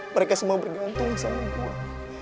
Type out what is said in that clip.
mereka semua bergantung sama kuat